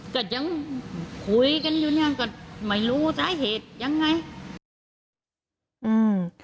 ก็ยังคุยกันอยู่เนี่ยก็ไม่รู้สาเหตุยังไงอืม